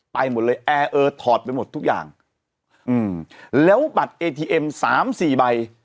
ไปหมดเลยแอร์เออถอดไปหมดทุกอย่างอืมแล้วบัตรเอทีเอ็มสามสี่ใบ